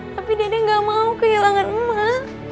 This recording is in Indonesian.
tapi dede gak mau kehilangan emak